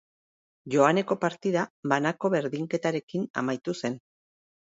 Joaneko partida banako berdinketarekin amaitu zen.